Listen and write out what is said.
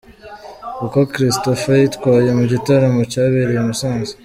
Uko Christopher yitwaye mu gitaramo cyabereye i Musanze.